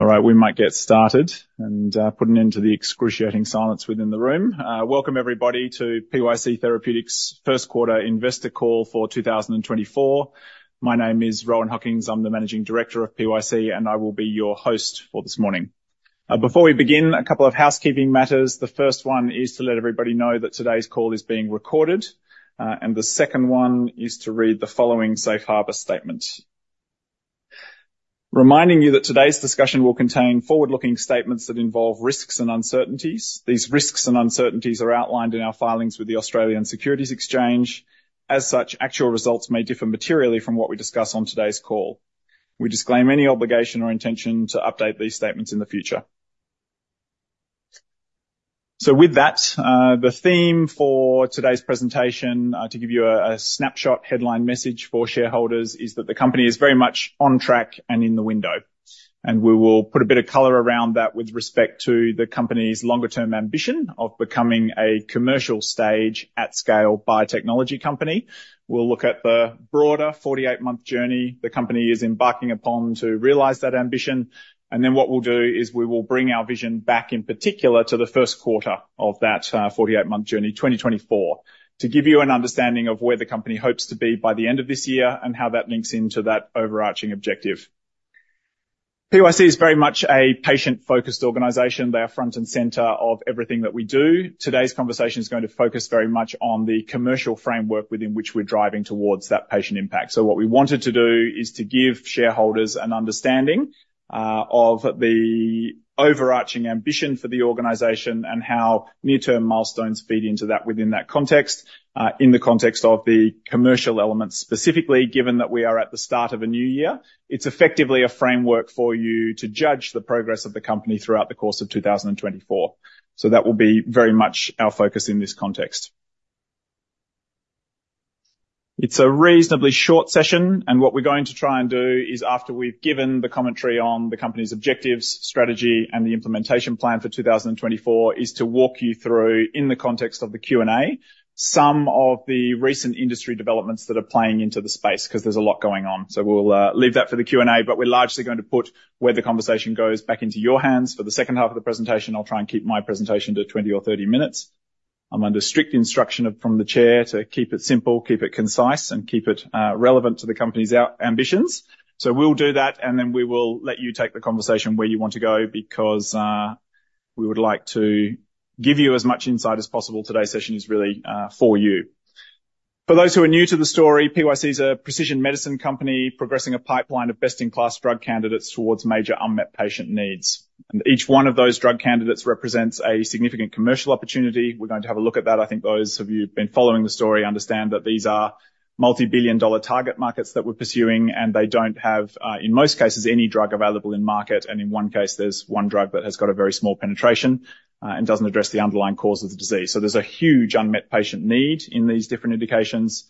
All right, we might get started and put an end to the excruciating silence within the room. Welcome, everybody, to PYC Therapeutics' first quarter investor call for 2024. My name is Rohan Hockings. I'm the Managing Director of PYC, and I will be your host for this morning. Before we begin, a couple of housekeeping matters. The first one is to let everybody know that today's call is being recorded, and the second one is to read the following safe harbor statement. Reminding you that today's discussion will contain forward-looking statements that involve risks and uncertainties. These risks and uncertainties are outlined in our filings with the Australian Securities Exchange. As such, actual results may differ materially from what we discuss on today's call. We disclaim any obligation or intention to update these statements in the future. So with that, the theme for today's presentation, to give you a snapshot headline message for shareholders, is that the company is very much on track and in the window. And we will put a bit of color around that with respect to the company's longer-term ambition of becoming a commercial stage at scale biotechnology company. We'll look at the broader 48-month journey the company is embarking upon to realize that ambition. And then what we'll do, is we will bring our vision back, in particular, to the first quarter of that 48-month journey, 2024, to give you an understanding of where the company hopes to be by the end of this year and how that links into that overarching objective. PYC is very much a patient-focused organization. They are front and center of everything that we do. Today's conversation is going to focus very much on the commercial framework within which we're driving towards that patient impact. So what we wanted to do is to give shareholders an understanding of the overarching ambition for the organization and how near-term milestones feed into that, within that context. In the context of the commercial elements, specifically, given that we are at the start of a new year, it's effectively a framework for you to judge the progress of the company throughout the course of 2024. So that will be very much our focus in this context. It's a reasonably short session, and what we're going to try and do is, after we've given the commentary on the company's objectives, strategy, and the implementation plan for 2024, is to walk you through, in the context of the Q&A, some of the recent industry developments that are playing into the space, 'cause there's a lot going on. So we'll leave that for the Q&A, but we're largely going to put where the conversation goes back into your hands for the second half of the presentation. I'll try and keep my presentation to 20 or 30 minutes. I'm under strict instruction from the chair to keep it simple, keep it concise, and keep it relevant to the company's ambitions. So we'll do that, and then we will let you take the conversation where you want to go, because, we would like to give you as much insight as possible. Today's session is really, for you. For those who are new to the story, PYC is a precision medicine company progressing a pipeline of best-in-class drug candidates towards major unmet patient needs, and each one of those drug candidates represents a significant commercial opportunity. We're going to have a look at that. I think those of you who've been following the story understand that these are multi-billion dollar target markets that we're pursuing, and they don't have, in most cases, any drug available in market, and in one case, there's one drug that has got a very small penetration, and doesn't address the underlying cause of the disease. So there's a huge unmet patient need in these different indications.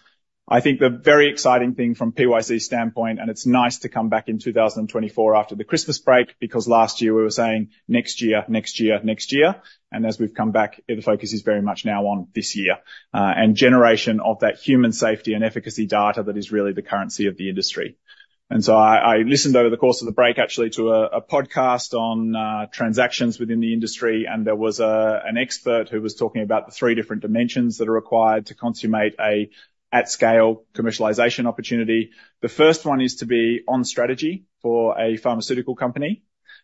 I think the very exciting thing from PYC's standpoint, and it's nice to come back in 2024 after the Christmas break, because last year we were saying, "Next year, next year, next year." And as we've come back, the focus is very much now on this year, and generation of that human safety and efficacy data that is really the currency of the industry. And so I listened over the course of the break, actually to a podcast on transactions within the industry, and there was an expert who was talking about the three different dimensions that are required to consummate an at-scale commercialization opportunity. The first one is to be on strategy for a pharmaceutical company.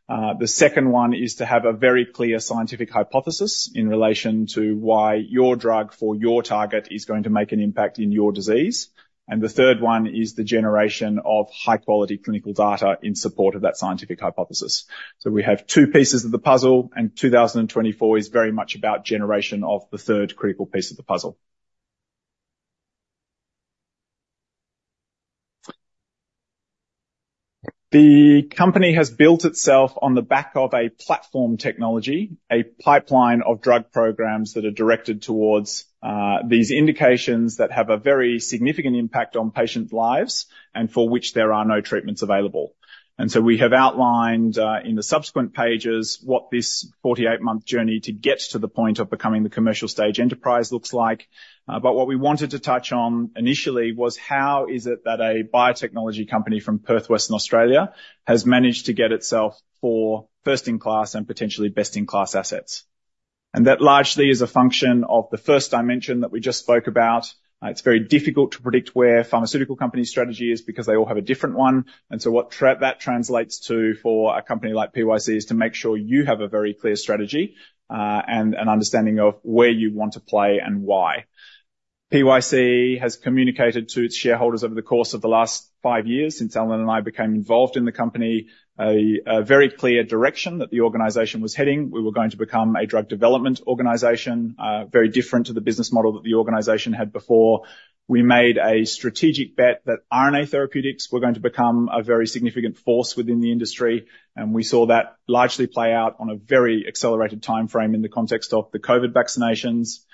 The second one is to have a very clear scientific hypothesis in relation to why your drug for your target is going to make an impact in your disease. And the third one is the generation of high quality clinical data in support of that scientific hypothesis. So we have two pieces of the puzzle, and 2024 is very much about generation of the third critical piece of the puzzle. The company has built itself on the back of a platform technology, a pipeline of drug programs that are directed towards these indications that have a very significant impact on patient lives and for which there are no treatments available. And so we have outlined in the subsequent pages what this 48-month journey to get to the point of becoming the commercial stage enterprise looks like. But what we wanted to touch on initially was how is it that a biotechnology company from Perth, Western Australia, has managed to get itself for first-in-class and potentially best-in-class assets? And that largely is a function of the first dimension that we just spoke about. It's very difficult to predict where pharmaceutical company strategy is because they all have a different one. And so what that translates to for a company like PYC is to make sure you have a very clear strategy, and an understanding of where you want to play and why. PYC has communicated to its shareholders over the course of the last five years, since Alan and I became involved in the company, a very clear direction that the organization was heading. We were going to become a drug development organization, very different to the business model that the organization had before. We made a strategic bet that RNA therapeutics were going to become a very significant force within the industry, and we saw that largely play out on a very accelerated timeframe in the context of the COVID vaccinations.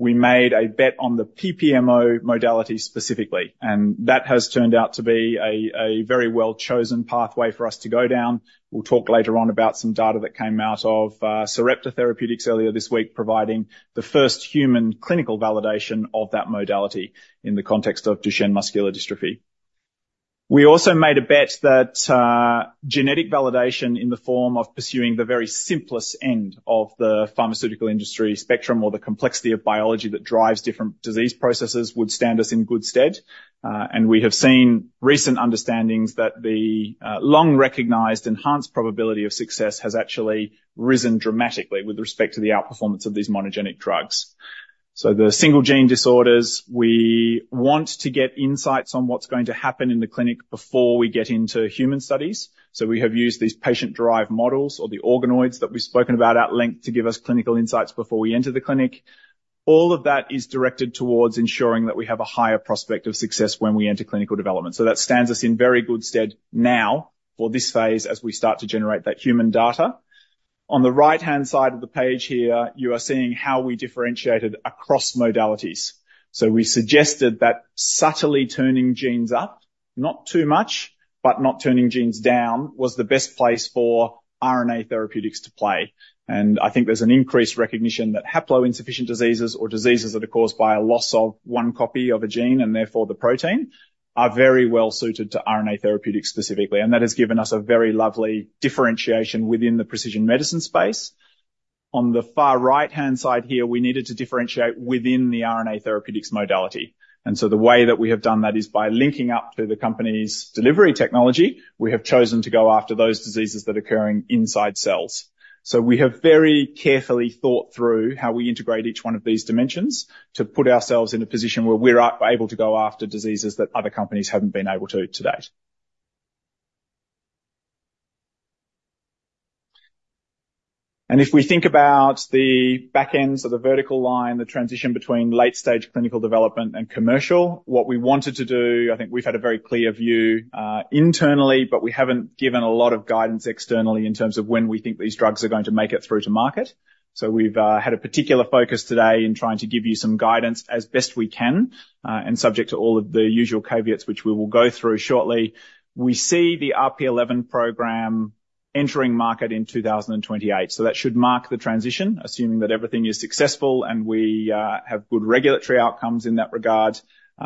We made a bet on the PPMO modality specifically, and that has turned out to be a very well-chosen pathway for us to go down. We'll talk later on about some data that came out of, Sarepta Therapeutics earlier this week, providing the first human clinical validation of that modality in the context of Duchenne muscular dystrophy. We also made a bet that genetic validation in the form of pursuing the very simplest end of the pharmaceutical industry spectrum, or the complexity of biology that drives different disease processes, would stand us in good stead. And we have seen recent understandings that the long-recognized enhanced probability of success has actually risen dramatically with respect to the outperformance of these monogenic drugs. So the single gene disorders, we want to get insights on what's going to happen in the clinic before we get into human studies. So we have used these patient-derived models or the organoids that we've spoken about at length, to give us clinical insights before we enter the clinic. All of that is directed towards ensuring that we have a higher prospect of success when we enter clinical development. So that stands us in very good stead now for this phase, as we start to generate that human data. On the right-hand side of the page here, you are seeing how we differentiated across modalities. So we suggested that subtly turning genes up, not too much, but not turning genes down, was the best place for RNA therapeutics to play. And I think there's an increased recognition that haploinsufficient diseases or diseases that are caused by a loss of one copy of a gene, and therefore the protein, are very well suited to RNA therapeutics specifically, and that has given us a very lovely differentiation within the precision medicine space. On the far right-hand side here, we needed to differentiate within the RNA therapeutics modality, and so the way that we have done that is by linking up to the company's delivery technology. We have chosen to go after those diseases that are occurring inside cells. So we have very carefully thought through how we integrate each one of these dimensions to put ourselves in a position where we're able to go after diseases that other companies haven't been able to date. And if we think about the back ends of the vertical line, the transition between late-stage clinical development and commercial, what we wanted to do, I think we've had a very clear view internally, but we haven't given a lot of guidance externally in terms of when we think these drugs are going to make it through to market. So we've had a particular focus today in trying to give you some guidance as best we can, and subject to all of the usual caveats, which we will go through shortly. We see the RP11 program entering market in 2028. So that should mark the transition, assuming that everything is successful and we have good regulatory outcomes in that regard,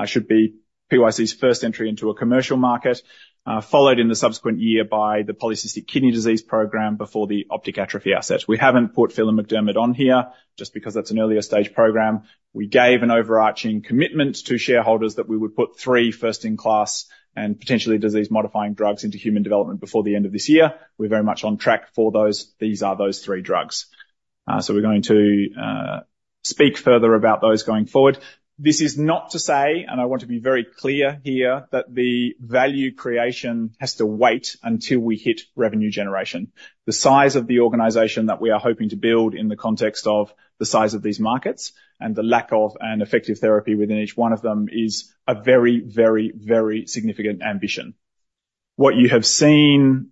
should be PYC's first entry into a commercial market, followed in the subsequent year by the polycystic kidney disease program before the optic atrophy asset. We haven't put Phelan-McDermid on here just because that's an earlier stage program. We gave an overarching commitment to shareholders that we would put three first-in-class and potentially disease-modifying drugs into human development before the end of this year. We're very much on track for those. These are those three drugs. So we're going to speak further about those going forward. This is not to say, and I want to be very clear here, that the value creation has to wait until we hit revenue generation. The size of the organization that we are hoping to build in the context of the size of these markets and the lack of an effective therapy within each one of them, is a very, very, very significant ambition. What you have seen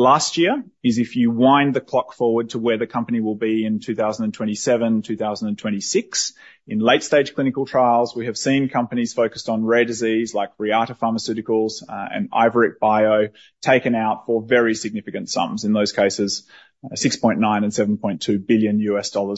last year is if you wind the clock forward to where the company will be in 2027, 2026. In late-stage clinical trials, we have seen companies focused on rare disease like Reata Pharmaceuticals and Iveric Bio, taken out for very significant sums, in those cases, $6.9 billion and $7.2 billion,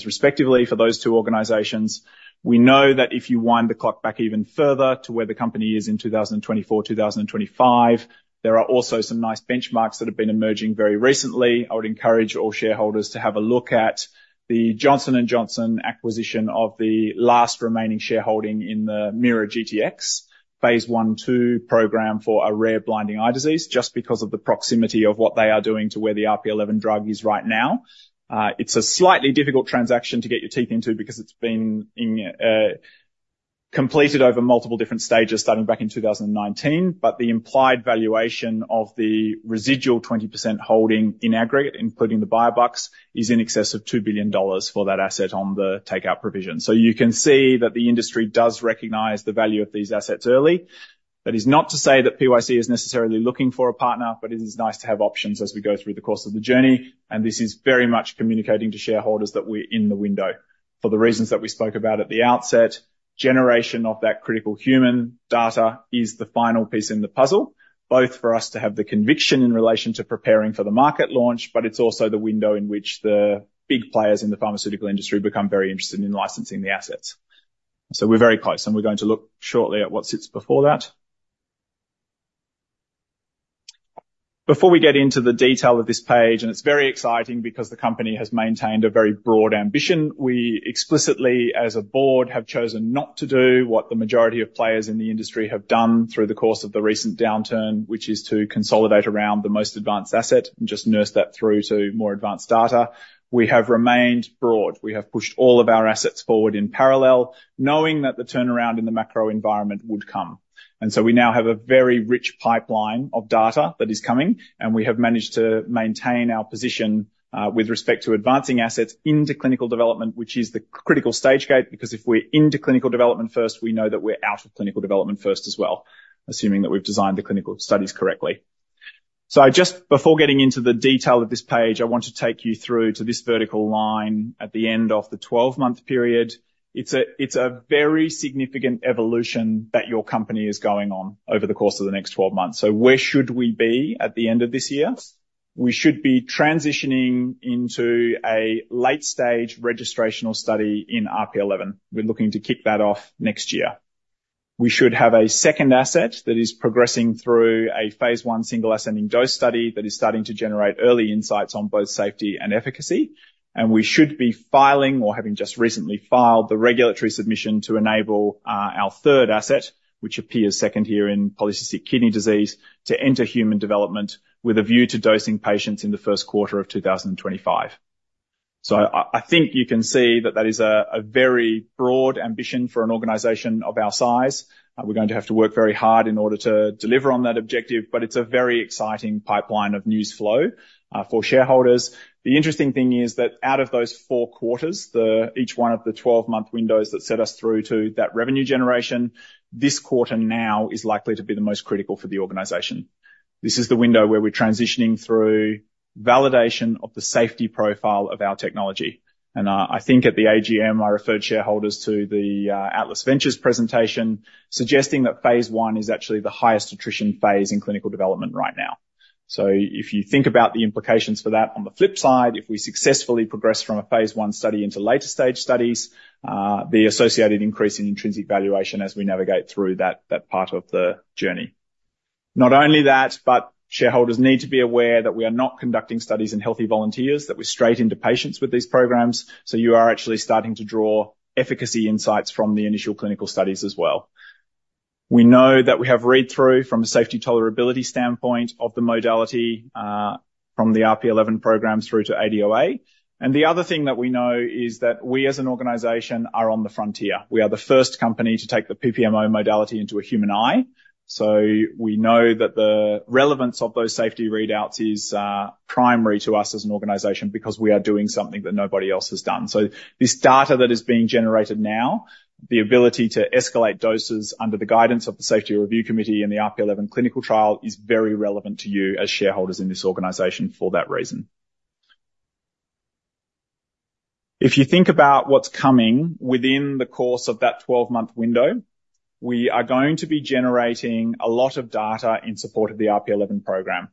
respectively, for those two organizations. We know that if you wind the clock back even further to where the company is in 2024, 2025, there are also some nice benchmarks that have been emerging very recently. I would encourage all shareholders to have a look at the Johnson & Johnson acquisition of the last remaining shareholding in the MeiraGTx Phase I/II program for a rare blinding eye disease, just because of the proximity of what they are doing to where the RP11 drug is right now. It's a slightly difficult transaction to get your teeth into because it's been completed over multiple different stages, starting back in 2019. But the implied valuation of the residual 20% holding in aggregate, including the buybacks, is in excess of $2 billion for that asset on the takeout provision. So you can see that the industry does recognize the value of these assets early. That is not to say that PYC is necessarily looking for a partner, but it is nice to have options as we go through the course of the journey, and this is very much communicating to shareholders that we're in the window. For the reasons that we spoke about at the outset, generation of that critical human data is the final piece in the puzzle, both for us to have the conviction in relation to preparing for the market launch, but it's also the window in which the big players in the pharmaceutical industry become very interested in licensing the assets. So we're very close, and we're going to look shortly at what sits before that. Before we get into the detail of this page, and it's very exciting because the company has maintained a very broad ambition. We explicitly, as a board, have chosen not to do what the majority of players in the industry have done through the course of the recent downturn, which is to consolidate around the most advanced asset and just nurse that through to more advanced data. We have remained broad. We have pushed all of our assets forward in parallel, knowing that the turnaround in the macro environment would come. And so we now have a very rich pipeline of data that is coming, and we have managed to maintain our position with respect to advancing assets into clinical development, which is the critical stage gate, because if we're into clinical development first, we know that we're out of clinical development first as well, assuming that we've designed the clinical studies correctly. So just before getting into the detail of this page, I want to take you through to this vertical line at the end of the 12-month period. It's a, it's a very significant evolution that your company is going on over the course of the next 12 months. So where should we be at the end of this year? We should be transitioning into a late-stage registrational study in RP11. We're looking to kick that off next year. We should have a second asset that is progressing through a Phase 1 single ascending dose study, that is starting to generate early insights on both safety and efficacy. We should be filing, or having just recently filed, the regulatory submission to enable our third asset, which appears second here in polycystic kidney disease, to enter human development with a view to dosing patients in the first quarter of 2025. So I, I think you can see that that is a, a very broad ambition for an organization of our size. We're going to have to work very hard in order to deliver on that objective, but it's a very exciting pipeline of news flow for shareholders. The interesting thing is that out of those four quarters, the each one of the 12-month windows that set us through to that revenue generation, this quarter now is likely to be the most critical for the organization. This is the window where we're transitioning through validation of the safety profile of our technology. I think at the AGM, I referred shareholders to the Atlas Venture's presentation, suggesting that Phase I is actually the highest attrition phase in clinical development right now. So if you think about the implications for that, on the flip side, if we successfully progress from a Phase I study into later-stage studies, the associated increase in intrinsic valuation as we navigate through that, that part of the journey. Not only that, but shareholders need to be aware that we are not conducting studies in healthy volunteers, that we're straight into patients with these programs, so you are actually starting to draw efficacy insights from the initial clinical studies as well. We know that we have read-through from a safety tolerability standpoint of the modality, from the RP11 programs through to ADOA. And the other thing that we know is that we, as an organization, are on the frontier. We are the first company to take the PPMO modality into a human eye, so we know that the relevance of those safety readouts is primary to us as an organization because we are doing something that nobody else has done. So this data that is being generated now, the ability to escalate doses under the guidance of the Safety Review Committee and the RP11 clinical trial, is very relevant to you as shareholders in this organization for that reason. If you think about what's coming within the course of that 12-month window, we are going to be generating a lot of data in support of the RP11 program.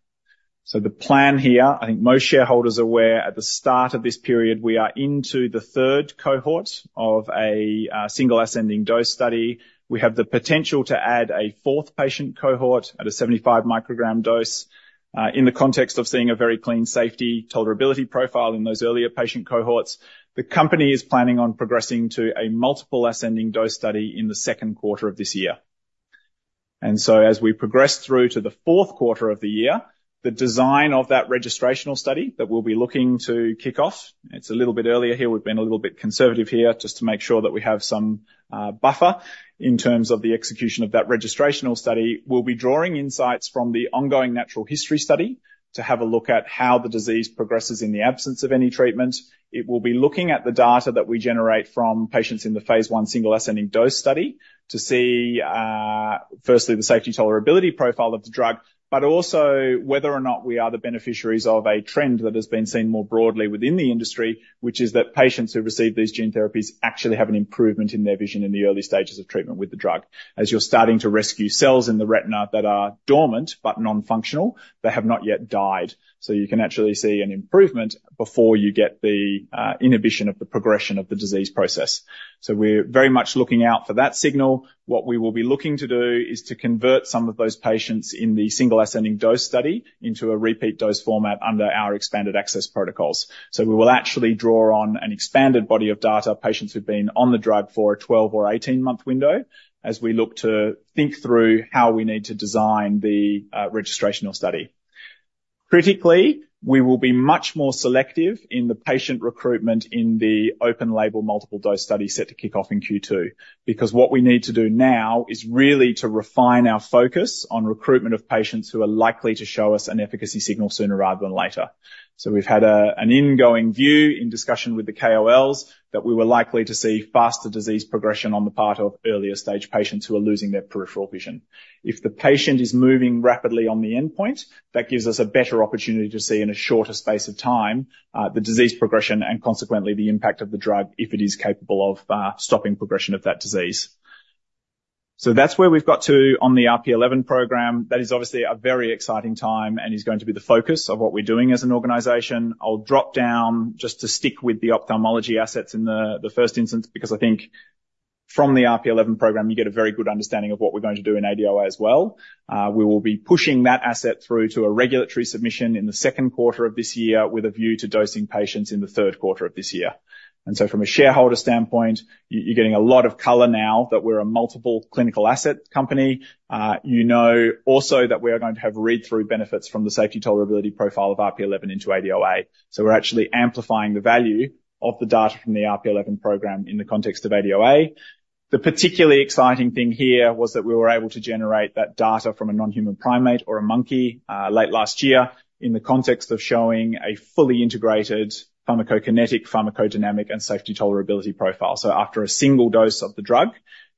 So the plan here, I think most shareholders are aware, at the start of this period, we are into the third cohort of a single ascending dose study. We have the potential to add a fourth patient cohort at a 75 µg dose. In the context of seeing a very clean safety tolerability profile in those earlier patient cohorts, the company is planning on progressing to a multiple ascending dose study in the second quarter of this year. And so as we progress through to the fourth quarter of the year, the design of that registrational study that we'll be looking to kick off, it's a little bit earlier here. We've been a little bit conservative here just to make sure that we have some buffer in terms of the execution of that registrational study. We'll be drawing insights from the ongoing natural history study to have a look at how the disease progresses in the absence of any treatment. It will be looking at the data that we generate from patients in the Phase I single ascending dose study to see, firstly, the safety tolerability profile of the drug. But also whether or not we are the beneficiaries of a trend that has been seen more broadly within the industry, which is that patients who receive these gene therapies actually have an improvement in their vision in the early stages of treatment with the drug. As you're starting to rescue cells in the retina that are dormant but non-functional, they have not yet died. So you can actually see an improvement before you get the inhibition of the progression of the disease process. So we're very much looking out for that signal. What we will be looking to do is to convert some of those patients in the single ascending dose study into a repeat dose format under our expanded access protocols. So we will actually draw on an expanded body of data, patients who've been on the drug for a 12 or 18-month window, as we look to think through how we need to design the registrational study. Critically, we will be much more selective in the patient recruitment in the open label multiple dose study set to kick off in Q2, because what we need to do now is really to refine our focus on recruitment of patients who are likely to show us an efficacy signal sooner rather than later. So we've had an ingoing view in discussion with the KOLs, that we were likely to see faster disease progression on the part of earlier stage patients who are losing their peripheral vision. If the patient is moving rapidly on the endpoint, that gives us a better opportunity to see in a shorter space of time, the disease progression and consequently the impact of the drug, if it is capable of stopping progression of that disease. So that's where we've got to on the RP11 program. That is obviously a very exciting time and is going to be the focus of what we're doing as an organization. I'll drop down just to stick with the ophthalmology assets in the first instance, because I think from the RP11 program, you get a very good understanding of what we're going to do in ADOA as well. We will be pushing that asset through to a regulatory submission in the second quarter of this year, with a view to dosing patients in the third quarter of this year. And so from a shareholder standpoint, you're getting a lot of color now that we're a multiple clinical asset company. You know also that we are going to have read-through benefits from the safety tolerability profile of RP11 into ADOA. So we're actually amplifying the value of the data from the RP11 program in the context of ADOA. The particularly exciting thing here was that we were able to generate that data from a non-human primate or a monkey, late last year, in the context of showing a fully integrated pharmacokinetic, pharmacodynamic, and safety tolerability profile. So after a single dose of the drug,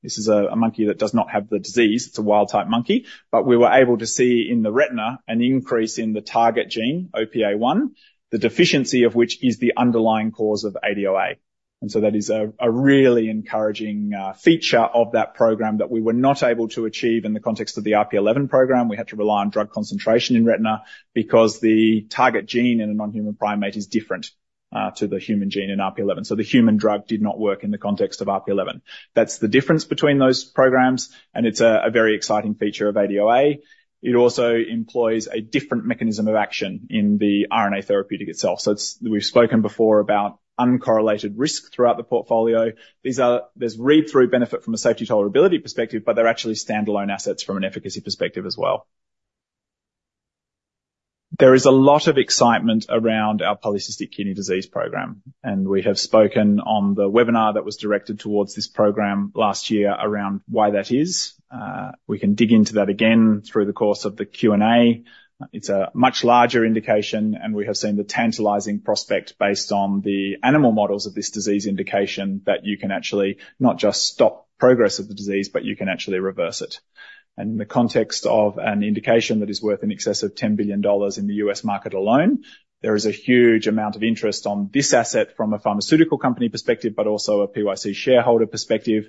this is a monkey that does not have the disease, it's a wild-type monkey. But we were able to see in the retina an increase in the target gene, OPA1, the deficiency of which is the underlying cause of ADOA. And so that is a really encouraging feature of that program that we were not able to achieve in the context of the RP11 program. We had to rely on drug concentration in retina because the target gene in a non-human primate is different to the human gene in RP11. So the human drug did not work in the context of RP11. That's the difference between those programs, and it's a very exciting feature of ADOA. It also employs a different mechanism of action in the RNA therapeutic itself. So it's... We've spoken before about uncorrelated risk throughout the portfolio. There's read-through benefit from a safety tolerability perspective, but they're actually standalone assets from an efficacy perspective as well. There is a lot of excitement around our polycystic kidney disease program, and we have spoken on the webinar that was directed towards this program last year around why that is. We can dig into that again through the course of the Q&A. It's a much larger indication, and we have seen the tantalizing prospect based on the animal models of this disease indication, that you can actually not just stop progress of the disease, but you can actually reverse it. In the context of an indication that is worth in excess of $10 billion in the US market alone, there is a huge amount of interest on this asset from a pharmaceutical company perspective, but also a PYC shareholder perspective.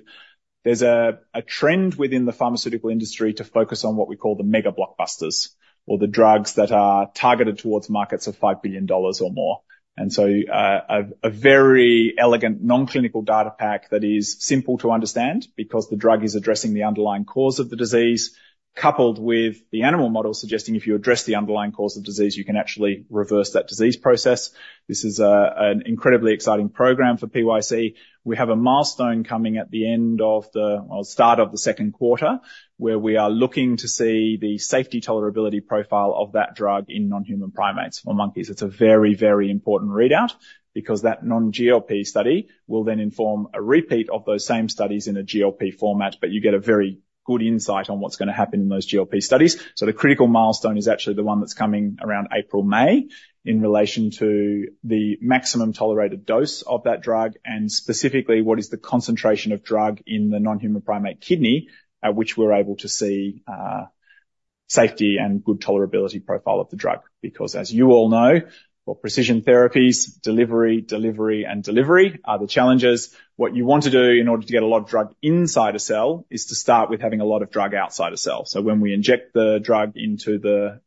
There's a trend within the pharmaceutical industry to focus on what we call the mega blockbusters or the drugs that are targeted towards markets of $5 billion or more. So, a very elegant non-clinical data pack that is simple to understand because the drug is addressing the underlying cause of the disease, coupled with the animal model, suggesting if you address the underlying cause of disease, you can actually reverse that disease process. This is, an incredibly exciting program for PYC. We have a milestone coming at the end of the, well, start of the second quarter, where we are looking to see the safety tolerability profile of that drug in non-human primates or monkeys. It's a very, very important readout because that non-GLP study will then inform a repeat of those same studies in a GLP format, but you get a very good insight on what's going to happen in those GLP studies. So the critical milestone is actually the one that's coming around April, May, in relation to the maximum tolerated dose of that drug, and specifically, what is the concentration of drug in the non-human primate kidney, at which we're able to see, safety and good tolerability profile of the drug. Because as you all know, for precision therapies, delivery, delivery, and delivery are the challenges. What you want to do in order to get a lot of drug inside a cell, is to start with having a lot of drug outside a cell. So when we inject the drug into the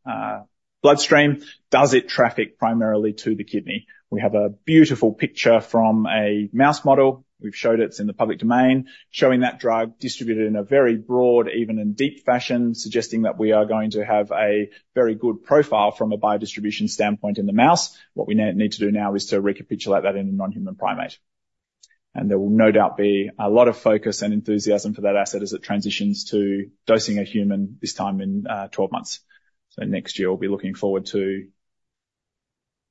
bloodstream, does it traffic primarily to the kidney? We have a beautiful picture from a mouse model. We've showed it, it's in the public domain, showing that drug distributed in a very broad, even in deep fashion, suggesting that we are going to have a very good profile from a biodistribution standpoint in the mouse. What we need to do now is to recapitulate that in a non-human primate. And there will no doubt be a lot of focus and enthusiasm for that asset as it transitions to dosing a human, this time in 12 months. So next year, we'll be looking forward to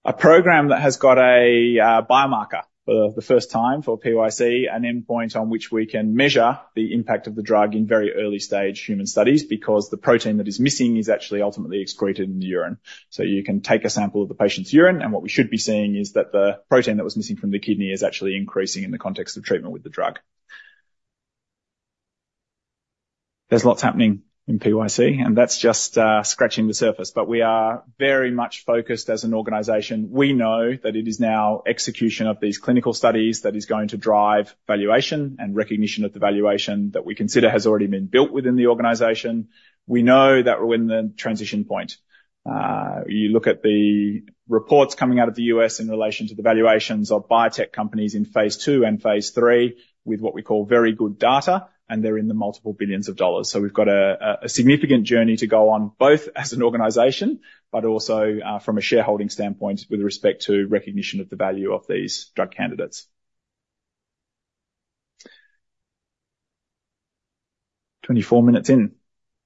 a program that has got a biomarker for the first time for PYC, an endpoint on which we can measure the impact of the drug in very early stage human studies, because the protein that is missing is actually ultimately excreted in the urine. So you can take a sample of the patient's urine, and what we should be seeing is that the protein that was missing from the kidney is actually increasing in the context of treatment with the drug. There's lots happening in PYC, and that's just scratching the surface, but we are very much focused as an organization. We know that it is now execution of these clinical studies that is going to drive valuation and recognition of the valuation that we consider has already been built within the organization. We know that we're in the transition point. You look at the reports coming out of the US in relation to the valuations of biotech companies in Phase II and Phase III, with what we call very good data, and they're in the multiple billions of dollars. So we've got a significant journey to go on, both as an organization, but also, from a shareholding standpoint with respect to recognition of the value of these drug candidates. 24 minutes in.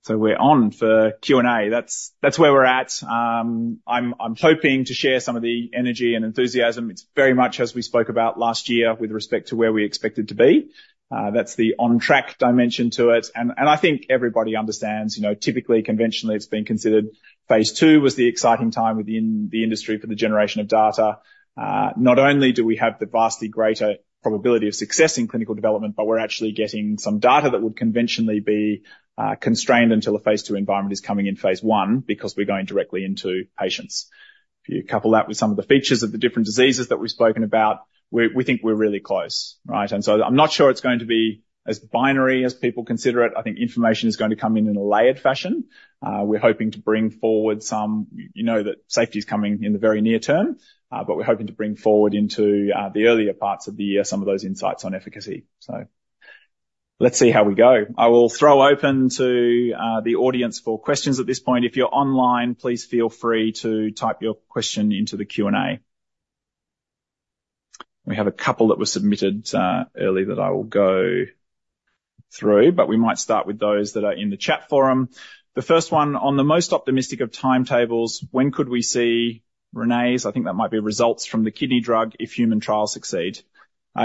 So we're on for Q&A. That's where we're at. I'm hoping to share some of the energy and enthusiasm. It's very much as we spoke about last year with respect to where we expected to be. That's the on-track dimension to it, and I think everybody understands, you know, typically, conventionally, it's been considered Phase II was the exciting time within the industry for the generation of data. Not only do we have the vastly greater probability of success in clinical development, but we're actually getting some data that would conventionally be constrained until a Phase II environment is coming in Phase I, because we're going directly into patients. If you couple that with some of the features of the different diseases that we've spoken about, we think we're really close, right? And so I'm not sure it's going to be as binary as people consider it. I think information is going to come in in a layered fashion. We're hoping to bring forward some, you know, that safety is coming in the very near term, but we're hoping to bring forward into the earlier parts of the year some of those insights on efficacy. So let's see how we go. I will throw open to the audience for questions at this point. If you're online, please feel free to type your question into the Q&A.We have a couple that were submitted early that I will go through, but we might start with those that are in the chat forum. The first one, on the most optimistic of timetables, when could we see readouts, I think that might be results from the kidney drug if human trials succeed?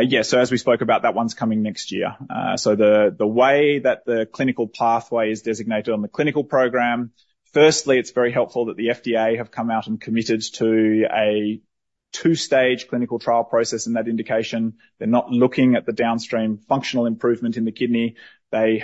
Yes, so as we spoke about, that one's coming next year. So the way that the clinical pathway is designated on the clinical program, firstly, it's very helpful that the FDA have come out and committed to a 2-stage clinical trial process, and that indication, they're not looking at the downstream functional improvement in the kidney. They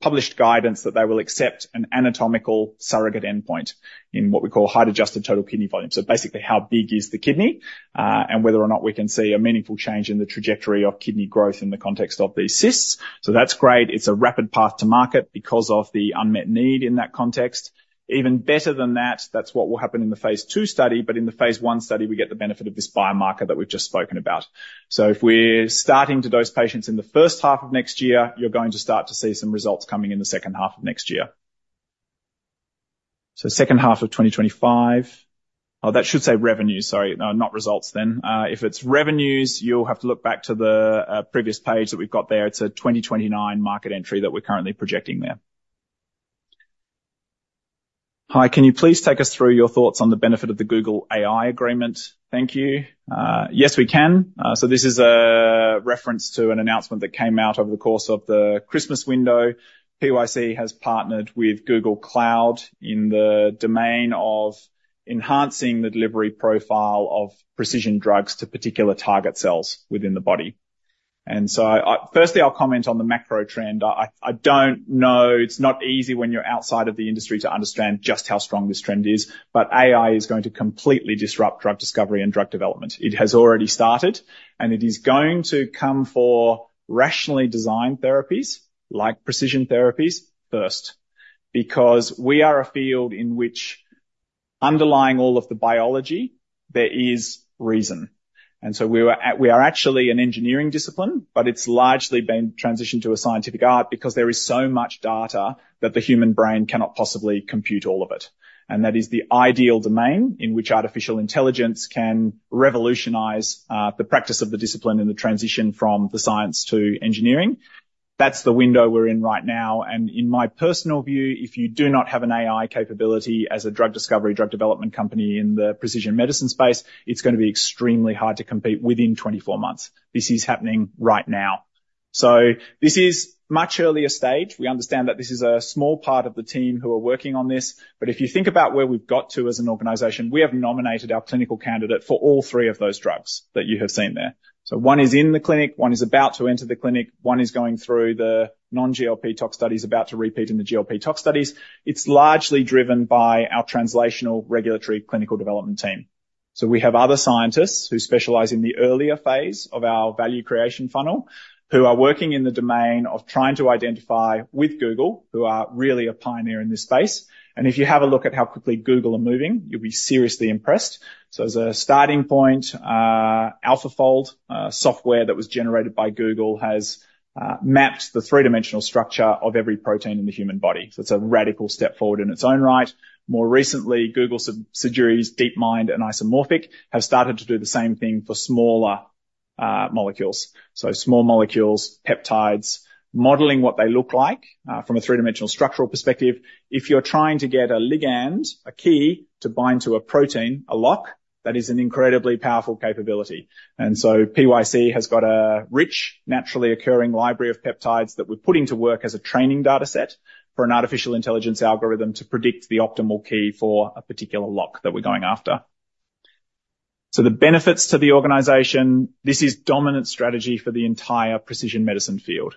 published guidance that they will accept an anatomical surrogate endpoint in what we call height-adjusted total kidney volume. So basically, how big is the kidney, and whether or not we can see a meaningful change in the trajectory of kidney growth in the context of these cysts. So that's great. It's a rapid path to market because of the unmet need in that context. Even better than that, that's what will happen in the Phase II study, but in the Phase I study, we get the benefit of this biomarker that we've just spoken about. So if we're starting to dose patients in the first half of next year, you're going to start to see some results coming in the second half of next year. So second half of 2025. Oh, that should say revenues, sorry, not results then. If it's revenues, you'll have to look back to the previous page that we've got there. It's a 2029 market entry that we're currently projecting there. "Hi, can you please take us through your thoughts on the benefit of the Google AI agreement? Thank you." Yes, we can. So this is a reference to an announcement that came out over the course of the Christmas window. PYC has partnered with Google Cloud in the domain of enhancing the delivery profile of precision drugs to particular target cells within the body. And so I... Firstly, I'll comment on the macro trend. I don't know, it's not easy when you're outside of the industry to understand just how strong this trend is, but AI is going to completely disrupt drug discovery and drug development. It has already started, and it is going to come for rationally designed therapies, like precision therapies first, because we are a field in which underlying all of the biology, there is reason. And so we are actually an engineering discipline, but it's largely been transitioned to a scientific art because there is so much data that the human brain cannot possibly compute all of it. And that is the ideal domain in which artificial intelligence can revolutionize the practice of the discipline and the transition from the science to engineering. That's the window we're in right now, and in my personal view, if you do not have an AI capability as a drug discovery, drug development company in the precision medicine space, it's gonna be extremely hard to compete within 24 months. This is happening right now. So this is much earlier stage. We understand that this is a small part of the team who are working on this, but if you think about where we've got to as an organization, we have nominated our clinical candidate for all three of those drugs that you have seen there. So one is in the clinic, one is about to enter the clinic, one is going through the non-GLP tox studies, about to repeat in the GLP tox studies. It's largely driven by our translational regulatory clinical development team. So we have other scientists who specialize in the earlier phase of our value creation funnel, who are working in the domain of trying to identify with Google, who are really a pioneer in this space. And if you have a look at how quickly Google are moving, you'll be seriously impressed. So as a starting point, AlphaFold, software that was generated by Google, has mapped the three-dimensional structure of every protein in the human body. So it's a radical step forward in its own right. More recently, Google's DeepMind and Isomorphic have started to do the same thing for smaller molecules. So small molecules, peptides, modeling what they look like from a three-dimensional structural perspective. If you're trying to get a ligand, a key to bind to a protein, a lock, that is an incredibly powerful capability. PYC has got a rich, naturally occurring library of peptides that we're putting to work as a training data set for an artificial intelligence algorithm to predict the optimal key for a particular lock that we're going after. The benefits to the organization, this is dominant strategy for the entire precision medicine field.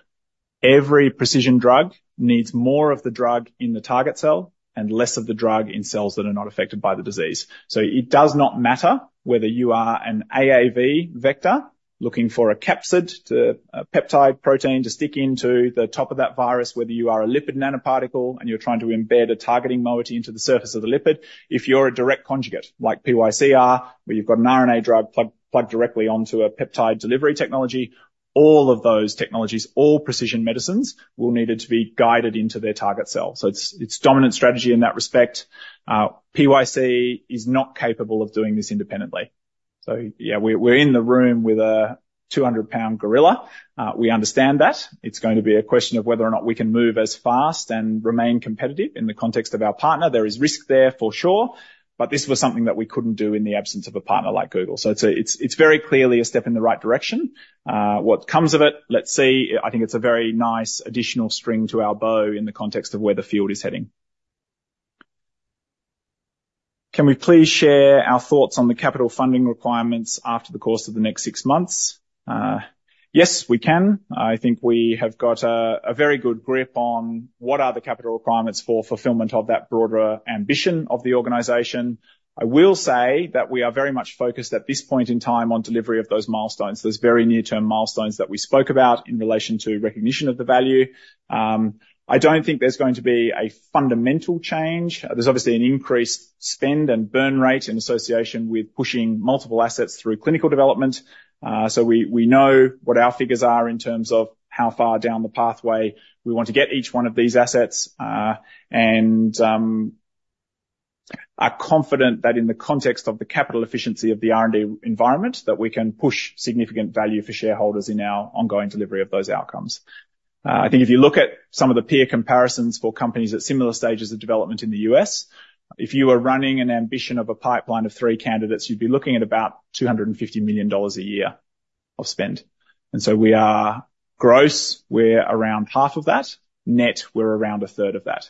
Every precision drug needs more of the drug in the target cell and less of the drug in cells that are not affected by the disease. It does not matter whether you are an AAV vector, looking for a capsid to a peptide protein to stick into the top of that virus, whether you are a lipid nanoparticle and you're trying to embed a targeting moiety into the surface of the lipid. If you're a direct conjugate, like PYC are, where you've got an RNA drug plug, plugged directly onto a peptide delivery technology, all of those technologies, all precision medicines, will need it to be guided into their target cell. So it's, it's dominant strategy in that respect. PYC is not capable of doing this independently. So yeah, we're, we're in the room with a 200 lbs gorilla. We understand that. It's going to be a question of whether or not we can move as fast and remain competitive in the context of our partner. There is risk there, for sure, but this was something that we couldn't do in the absence of a partner like Google. So it's a, it's, it's very clearly a step in the right direction. What comes of it? Let's see. I think it's a very nice additional string to our bow in the context of where the field is heading. "Can we please share our thoughts on the capital funding requirements after the course of the next six months?" Yes, we can. I think we have got a very good grip on what are the capital requirements for fulfillment of that broader ambition of the organization. I will say that we are very much focused at this point in time on delivery of those milestones, those very near-term milestones that we spoke about in relation to recognition of the value. I don't think there's going to be a fundamental change. There's obviously an increased spend and burn rate in association with pushing multiple assets through clinical development. So we know what our figures are in terms of how far down the pathway we want to get each one of these assets. We are confident that in the context of the capital efficiency of the R&D environment, that we can push significant value for shareholders in our ongoing delivery of those outcomes. I think if you look at some of the peer comparisons for companies at similar stages of development in the U.S., if you were running an ambition of a pipeline of three candidates, you'd be looking at about $250 million a year of spend. So we are gross, we're around half of that. Net, we're around a third of that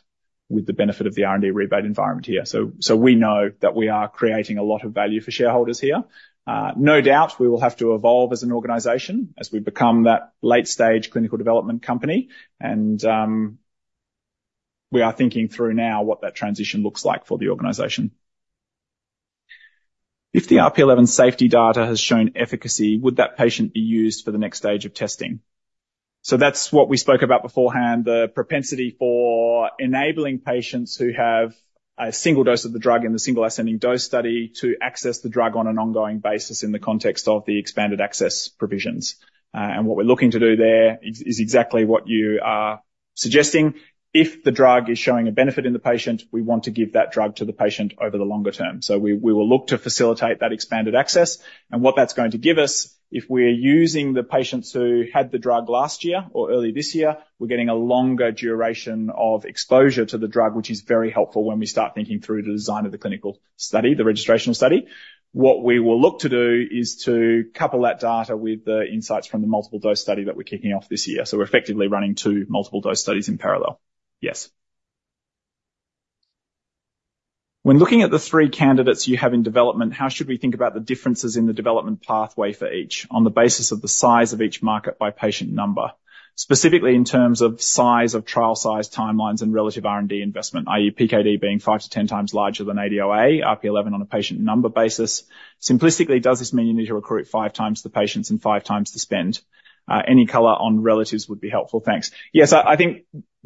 with the benefit of the R&D rebate environment here. So we know that we are creating a lot of value for shareholders here. No doubt we will have to evolve as an organization as we become that late-stage clinical development company. We are thinking through now what that transition looks like for the organization. If the RP11 safety data has shown efficacy, would that patient be used for the next stage of testing? So that's what we spoke about beforehand, the propensity for enabling patients who have a single dose of the drug in the single ascending dose study to access the drug on an ongoing basis in the context of the expanded access provisions. And what we're looking to do there is exactly what you are suggesting. If the drug is showing a benefit in the patient, we want to give that drug to the patient over the longer term. So we will look to facilitate that expanded access and what that's going to give us, if we're using the patients who had the drug last year or early this year, we're getting a longer duration of exposure to the drug, which is very helpful when we start thinking through the design of the clinical study, the registrational study. What we will look to do is to couple that data with the insights from the multiple dose study that we're kicking off this year. So we're effectively running two multiple dose studies in parallel. Yes. When looking at the three candidates you have in development, how should we think about the differences in the development pathway for each on the basis of the size of each market by patient number? Specifically, in terms of size, of trial size, timelines, and relative R&D investment, i.e., PKD being five to ten times larger than ADOA, RP11 on a patient number basis. Simplistically, does this mean you need to recruit five times the patients and five times the spend? Any color on relatives would be helpful. Thanks. Yes, I think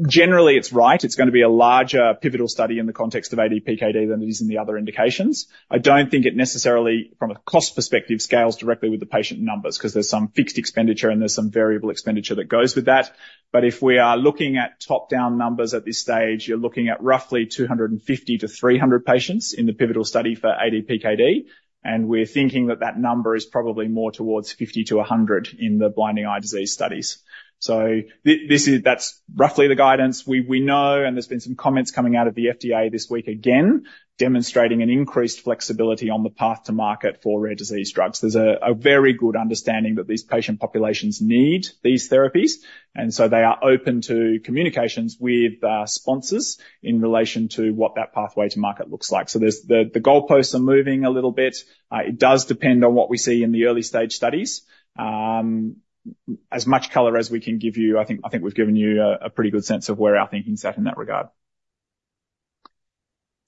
generally it's right. It's going to be a larger pivotal study in the context of ADPKD than it is in the other indications. I don't think it necessarily, from a cost perspective, scales directly with the patient numbers because there's some fixed expenditure and there's some variable expenditure that goes with that. But if we are looking at top-down numbers at this stage, you're looking at roughly 250-300 patients in the pivotal study for ADPKD, and we're thinking that that number is probably more towards 50-100 in the blinding eye disease studies. So this is, that's roughly the guidance. We know, and there's been some comments coming out of the FDA this week, again, demonstrating an increased flexibility on the path to market for rare disease drugs. There's a very good understanding that these patient populations need these therapies, and so they are open to communications with sponsors in relation to what that pathway to market looks like. So there's the goalposts are moving a little bit. It does depend on what we see in the early stage studies. As much color as we can give you, I think, I think we've given you a pretty good sense of where our thinking sat in that regard.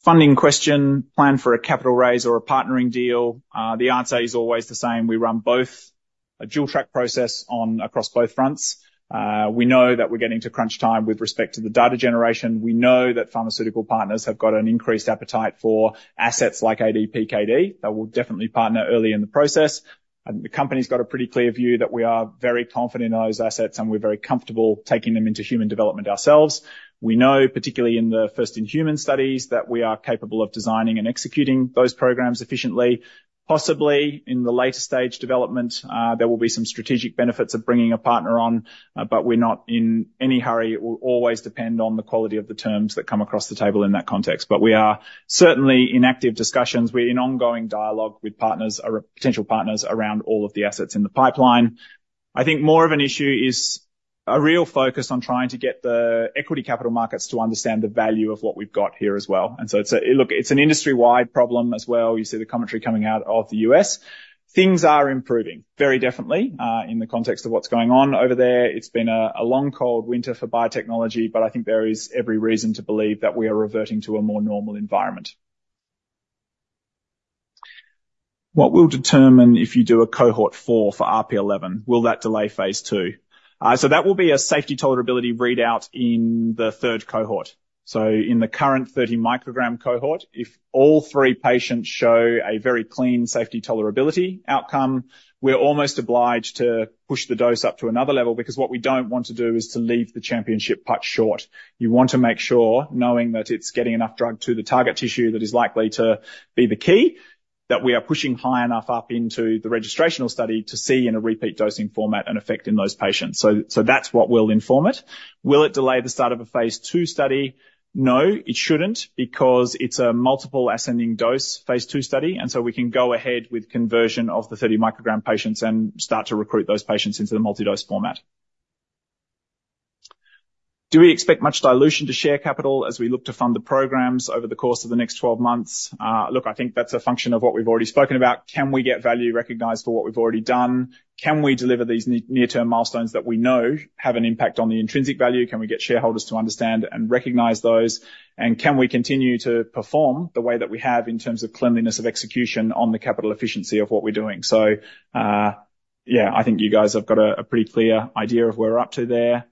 Funding question, plan for a capital raise or a partnering deal? The answer is always the same. We run both a dual-track process on across both fronts. We know that we're getting to crunch time with respect to the data generation. We know that pharmaceutical partners have got an increased appetite for assets like ADPKD, that we'll definitely partner early in the process. And the company's got a pretty clear view that we are very confident in those assets, and we're very comfortable taking them into human development ourselves. We know, particularly in the first, in human studies, that we are capable of designing and executing those programs efficiently. Possibly in the later stage development, there will be some strategic benefits of bringing a partner on, but we're not in any hurry. It will always depend on the quality of the terms that come across the table in that context. But we are certainly in active discussions. We're in ongoing dialogue with partners or potential partners around all of the assets in the pipeline. I think more of an issue is a real focus on trying to get the equity capital markets to understand the value of what we've got here as well. And so it's a... Look, it's an industry-wide problem as well. You see the commentary coming out of the U.S. Things are improving very definitely, in the context of what's going on over there. It's been a long, cold winter for biotechnology, but I think there is every reason to believe that we are reverting to a more normal environment. What will determine if you do a Cohort 4 for RP11? Will that delay Phase II? So that will be a safety tolerability readout in the third cohort. So in the current 30 µg cohort, if all three patients show a very clean safety tolerability outcome, we're almost obliged to push the dose up to another level because what we don't want to do is to leave the championship putt short. You want to make sure, knowing that it's getting enough drug to the target tissue, that is likely to be the key, that we are pushing high enough up into the registrational study to see in a repeat dosing format and effect in those patients. So, so that's what will inform it. Will it delay the start of a Phase II study? No, it shouldn't, because it's a multiple ascending dose Phase II study, and so we can go ahead with conversion of the 30 µg patients and start to recruit those patients into the multi-dose format. Do we expect much dilution to share capital as we look to fund the programs over the course of the next 12 months? Look, I think that's a function of what we've already spoken about. Can we get value recognized for what we've already done? Can we deliver these near-term milestones that we know have an impact on the intrinsic value? Can we get shareholders to understand and recognize those? And can we continue to perform the way that we have in terms of cleanliness, of execution on the capital efficiency of what we're doing? So, yeah, I think you guys have got a pretty clear idea of where we're up to there.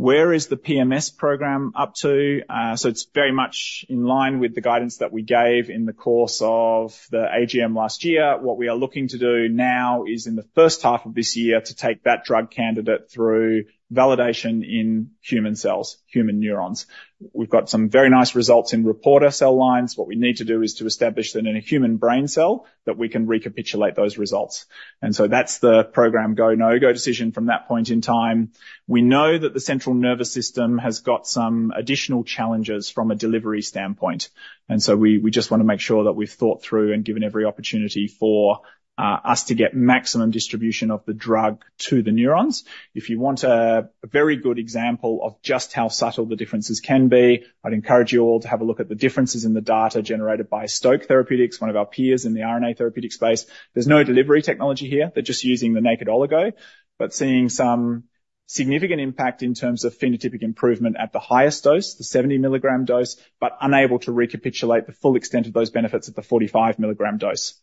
Where is the PMS program up to? So it's very much in line with the guidance that we gave in the course of the AGM last year. What we are looking to do now is, in the first half of this year, to take that drug candidate through validation in human cells, human neurons. We've got some very nice results in reporter cell lines. What we need to do is to establish that in a human brain cell, that we can recapitulate those results. And so that's the program go, no-go decision from that point in time. We know that the central nervous system has got some additional challenges from a delivery standpoint, and so we, we just want to make sure that we've thought through and given every opportunity for us to get maximum distribution of the drug to the neurons. If you want a very good example of just how subtle the differences can be, I'd encourage you all to have a look at the differences in the data generated by Stoke Therapeutics, one of our peers in the RNA therapeutic space. There's no delivery technology here. They're just using the naked oligo, but seeing significant impact in terms of phenotypic improvement at the highest dose, the 70 mg dose, but unable to recapitulate the full extent of those benefits at the 45 mg dose.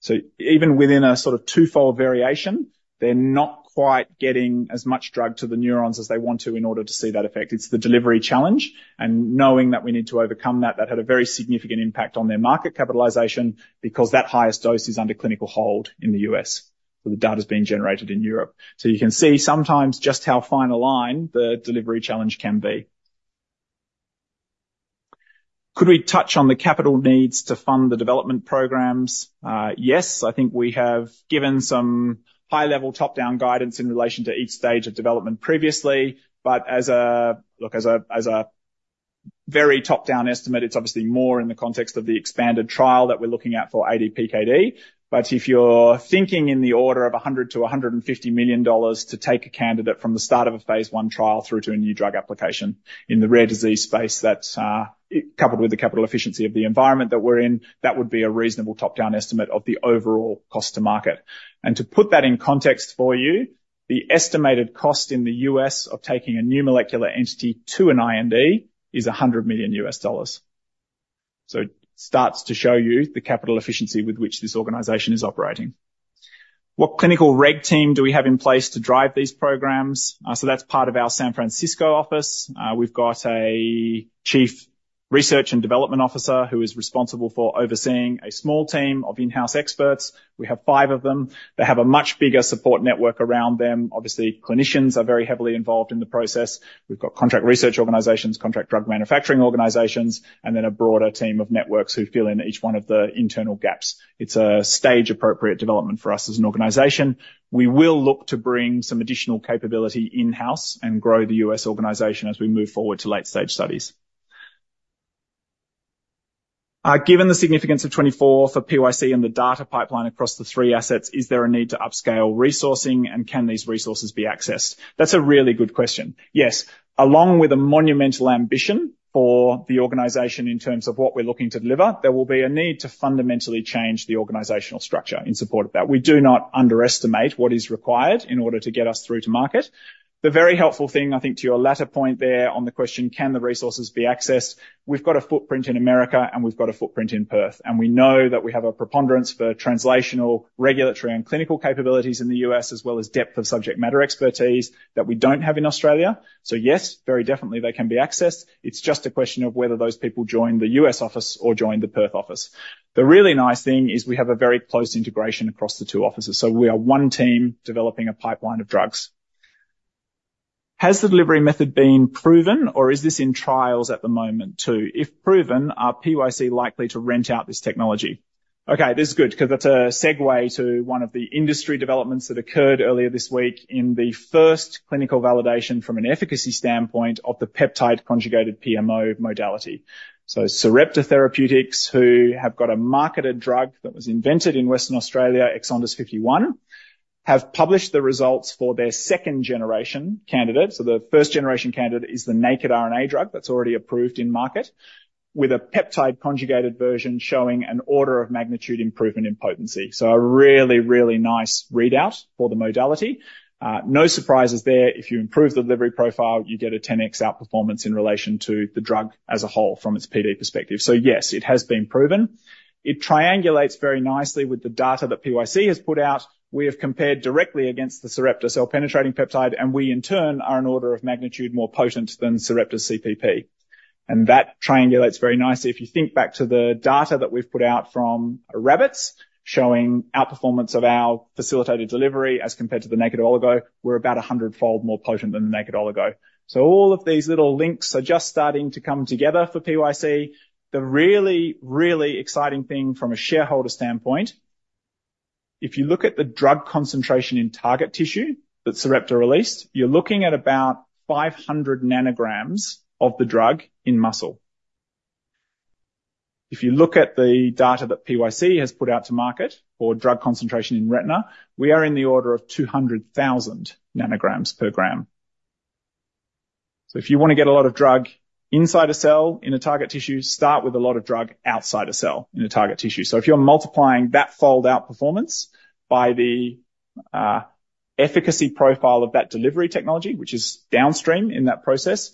So even within a sort of twofold variation, they're not quite getting as much drug to the neurons as they want to in order to see that effect. It's the delivery challenge and knowing that we need to overcome that, that had a very significant impact on their market capitalization because that highest dose is under clinical hold in the U.S., but the data's being generated in Europe. So you can see sometimes just how fine a line the delivery challenge can be. Could we touch on the capital needs to fund the development programs? Yes, I think we have given some high-level, top-down guidance in relation to each stage of development previously, but as a very top-down estimate, it's obviously more in the context of the expanded trial that we're looking at for ADPKD. But if you're thinking in the order of $100 million-$150 million to take a candidate from the start of a Phase I trial through to a New Drug Application in the rare disease space, that's, coupled with the capital efficiency of the environment that we're in, that would be a reasonable top-down estimate of the overall cost to market. And to put that in context for you, the estimated cost in the U.S. of taking a new molecular entity to an IND is $100 million. So it starts to show you the capital efficiency with which this organization is operating. What clinical reg team do we have in place to drive these programs? So that's part of our San Francisco office. We've got a Chief Research and Development Officer who is responsible for overseeing a small team of in-house experts. We have five of them. They have a much bigger support network around them. Obviously, clinicians are very heavily involved in the process. We've got contract research organizations, contract drug manufacturing organizations, and then a broader team of networks who fill in each one of the internal gaps. It's a stage-appropriate development for us as an organization. We will look to bring some additional capability in-house and grow the U.S. organization as we move forward to late-stage studies. Given the significance of 2024 for PYC and the data pipeline across the three assets, is there a need to upscale resourcing, and can these resources be accessed? That's a really good question. Yes, along with a monumental ambition for the organization in terms of what we're looking to deliver, there will be a need to fundamentally change the organizational structure in support of that. We do not underestimate what is required in order to get us through to market. The very helpful thing, I think, to your latter point there on the question, can the resources be accessed? We've got a footprint in America, and we've got a footprint in Perth, and we know that we have a preponderance for translational, regulatory, and clinical capabilities in the U.S., as well as depth of subject matter expertise that we don't have in Australia. So yes, very definitely they can be accessed. It's just a question of whether those people join the U.S. office or join the Perth office. The really nice thing is we have a very close integration across the two offices, so we are one team developing a pipeline of drugs. Has the delivery method been proven, or is this in trials at the moment, too? If proven, are PYC likely to rent out this technology? Okay, this is good because that's a segue to one of the industry developments that occurred earlier this week in the first clinical validation from an efficacy standpoint of the peptide conjugated PMO modality. So Sarepta Therapeutics, who have got a marketed drug that was invented in Western Australia, EXONDYS 51, have published the results for their 2nd generation candidate. So the 1st generation candidate is the naked RNA drug that's already approved in market, with a peptide conjugated version showing an order of magnitude improvement in potency. So a really, really nice readout for the modality. No surprises there. If you improve the delivery profile, you get a 10x outperformance in relation to the drug as a whole from its PD perspective. So yes, it has been proven. It triangulates very nicely with the data that PYC has put out. We have compared directly against the Sarepta cell-penetrating peptide, and we, in turn, are an order of magnitude more potent than Sarepta CPP, and that triangulates very nicely. If you think back to the data that we've put out from rabbits, showing outperformance of our facilitated delivery as compared to the naked oligo, we're about a 100-fold more potent than the naked oligo. So all of these little links are just starting to come together for PYC. The really, really exciting thing from a shareholder standpoint, if you look at the drug concentration in target tissue that Sarepta released, you're looking at about 500 ng of the drug in muscle. If you look at the data that PYC has put out to market for drug concentration in retina, we are in the order of 200,000 ng/g. So if you want to get a lot of drug inside a cell in a target tissue, start with a lot of drug outside a cell in a target tissue. So if you're multiplying that fold-out performance by the efficacy profile of that delivery technology, which is downstream in that process,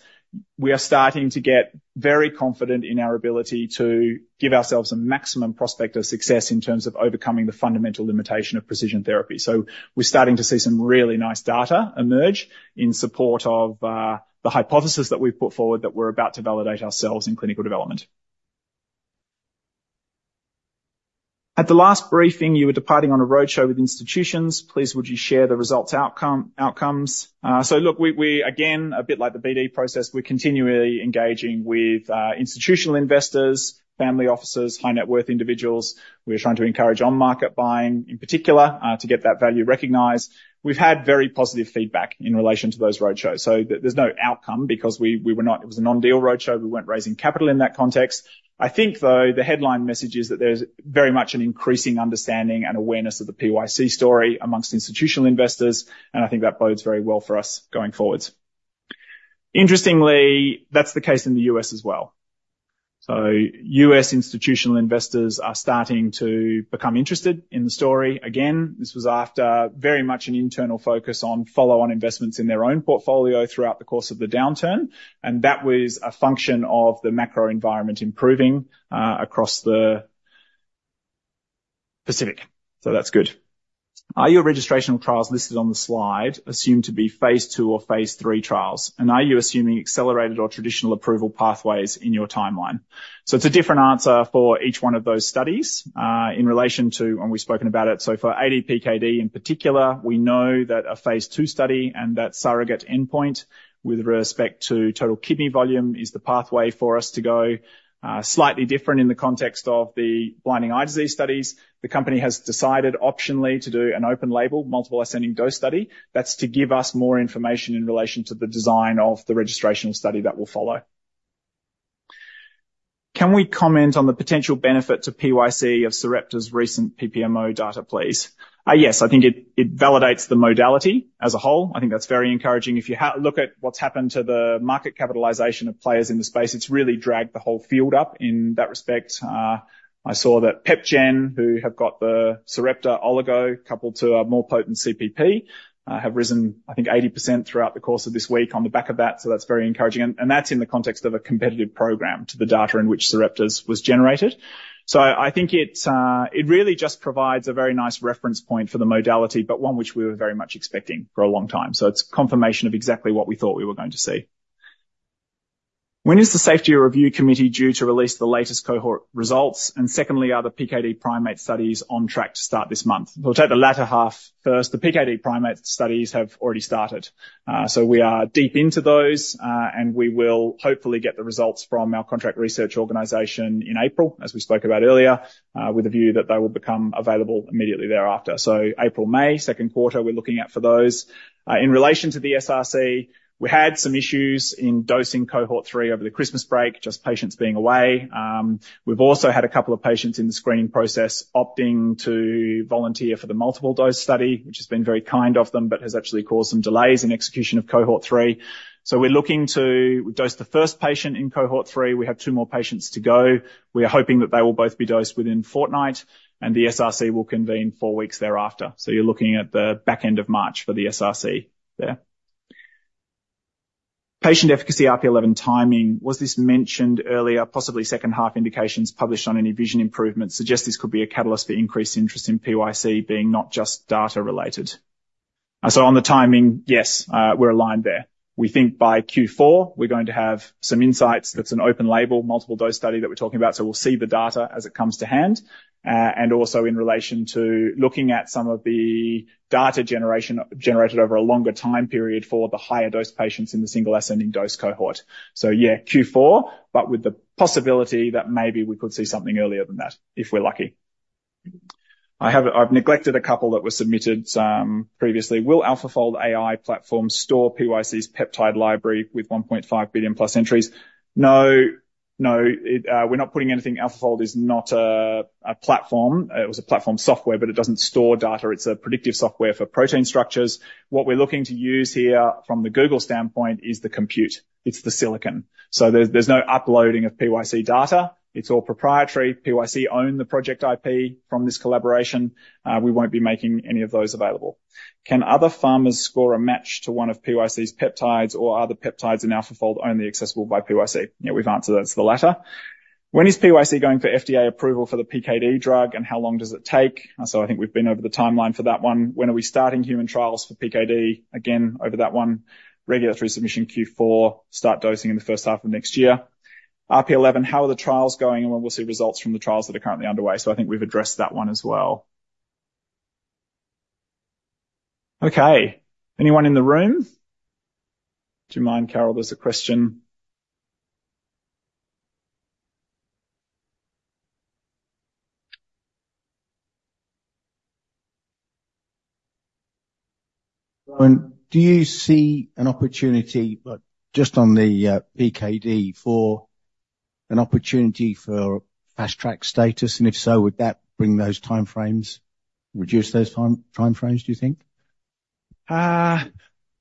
we are starting to get very confident in our ability to give ourselves a maximum prospect of success in terms of overcoming the fundamental limitation of precision therapy. So we're starting to see some really nice data emerge in support of the hypothesis that we've put forward that we're about to validate ourselves in clinical development. At the last briefing, you were departing on a roadshow with institutions. Please, would you share the results outcome, outcomes? So look, we, we again, a bit like the BD process, we're continually engaging with institutional investors, family offices, high net worth individuals. We're trying to encourage on-market buying, in particular to get that value recognized. We've had very positive feedback in relation to those roadshows, so there's no outcome because we, we were not... It was a non-deal roadshow. We weren't raising capital in that context. I think, though, the headline message is that there's very much an increasing understanding and awareness of the PYC story amongst institutional investors, and I think that bodes very well for us going forward. Interestingly, that's the case in the U.S. as well. So U.S. institutional investors are starting to become interested in the story. Again, this was after very much an internal focus on follow-on investments in their own portfolio throughout the course of the downturn, and that was a function of the macro environment improving across the Pacific. So that's good. Are your registrational trials listed on the slide assumed to be Phase II or Phase III trials? And are you assuming accelerated or traditional approval pathways in your timeline? So it's a different answer for each one of those studies in relation to when we've spoken about it. So for ADPKD in particular, we know that a Phase II study and that surrogate endpoint with respect to total kidney volume is the pathway for us to go, slightly different in the context of the blinding eye disease studies. The company has decided optionally to do an open label, multiple ascending dose study. That's to give us more information in relation to the design of the registrational study that will follow. Can we comment on the potential benefit to PYC of Sarepta's recent PPMO data, please? Yes, I think it, it validates the modality as a whole. I think that's very encouraging. If you look at what's happened to the market capitalization of players in the space, it's really dragged the whole field up in that respect. I saw that PepGen, who have got the Sarepta oligo, coupled to a more potent CPP, have risen, I think, 80% throughout the course of this week on the back of that. So that's very encouraging, and that's in the context of a competitive program to the data in which Sarepta's was generated. So I think it, it really just provides a very nice reference point for the modality, but one which we were very much expecting for a long time. So it's confirmation of exactly what we thought we were going to see. When is the Safety Review Committee due to release the latest cohort results? And secondly, are the PKD primate studies on track to start this month? We'll take the latter half first. The PKD primate studies have already started. So we are deep into those, and we will hopefully get the results from our contract research organization in April, as we spoke about earlier, with a view that they will become available immediately thereafter. So April, May, second quarter, we're looking at for those. In relation to the SRC, we had some issues in dosing Cohort 3 over the Christmas break, just patients being away. We've also had a couple of patients in the screening process opting to volunteer for the multiple dose study, which has been very kind of them, but has actually caused some delays in execution of Cohort 3. So we're looking to dose the first patient in Cohort 3. We have two more patients to go. We are hoping that they will both be dosed within fortnight, and the SRC will convene four weeks thereafter. So you're looking at the back end of March for the SRC there. Patient efficacy RP11 timing. Was this mentioned earlier? Possibly second half indications published on any vision improvement suggest this could be a catalyst for increased interest in PYC being not just data related. So on the timing, yes, we're aligned there. We think by Q4, we're going to have some insights. That's an open label, multiple dose study that we're talking about, so we'll see the data as it comes to hand. And also in relation to looking at some of the data generated over a longer time period for the higher dose patients in the single ascending dose cohort. So yeah, Q4, but with the possibility that maybe we could see something earlier than that, if we're lucky. I've neglected a couple that were submitted previously. Will AlphaFold AI platform store PYC's peptide library with 1.5 billion+ entries? No, no, it, we're not putting anything. AlphaFold is not a platform. It was a platform software, but it doesn't store data. It's a predictive software for protein structures. What we're looking to use here from the Google standpoint is the compute. It's the silicon. So there's no uploading of PYC data. It's all proprietary. PYC own the project IP from this collaboration. We won't be making any of those available. Can other pharmas score a match to one of PYC's peptides, or are the peptides in AlphaFold only accessible by PYC? Yeah, we've answered that it's the latter. When is PYC going for FDA approval for the PKD drug, and how long does it take? So I think we've been over the timeline for that one. When are we starting human trials for PKD? Again, over that one, regulatory submission Q4, start dosing in the first half of next year. RP11, how are the trials going, and when we'll see results from the trials that are currently underway? So I think we've addressed that one as well. Okay, anyone in the room? Do you mind, Carol, there's a question. Do you see an opportunity, but just on the PKD, for an opportunity for Fast Track status? And if so, would that bring those timeframes, reduce those timeframes, do you think?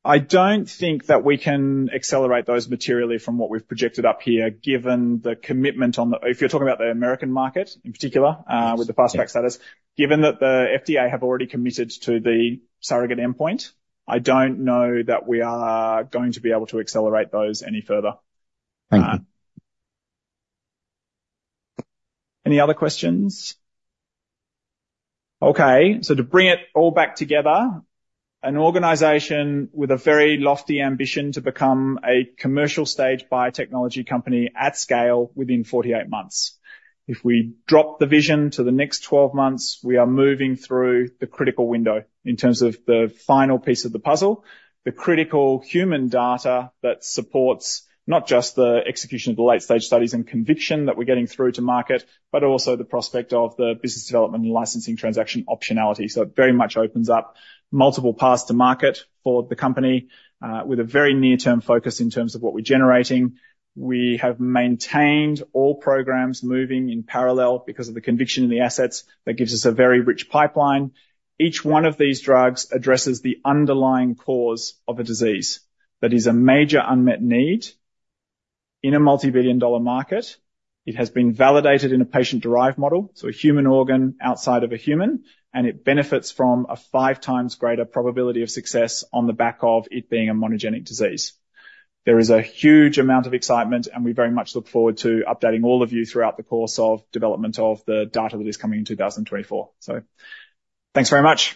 I don't think that we can accelerate those materially from what we've projected up here, given the commitment on the... If you're talking about the American market in particular, with the Fast Track status. Given that the FDA have already committed to the surrogate endpoint, I don't know that we are going to be able to accelerate those any further. Thank you. Any other questions? Okay, so to bring it all back together, an organization with a very lofty ambition to become a commercial stage biotechnology company at scale within 48 months. If we drop the vision to the next 12 months, we are moving through the critical window in terms of the final piece of the puzzle, the critical human data that supports not just the execution of the late-stage studies and conviction that we're getting through to market, but also the prospect of the business development and licensing transaction optionality. So it very much opens up multiple paths to market for the company, with a very near-term focus in terms of what we're generating. We have maintained all programs moving in parallel because of the conviction in the assets. That gives us a very rich pipeline. Each one of these drugs addresses the underlying cause of a disease that is a major unmet need in a multi-billion-dollar market. It has been validated in a patient-derived model, so a human organ outside of a human, and it benefits from a five times greater probability of success on the back of it being a monogenic disease. There is a huge amount of excitement, and we very much look forward to updating all of you throughout the course of development of the data that is coming in 2024. So thanks very much.